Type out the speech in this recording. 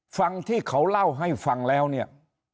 ฟังที่เขาเล่าให้ฟังแล้วเนี่ย